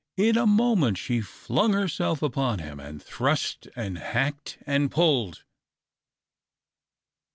In a moment she flung herself upon him, and thrust and hacked and pulled.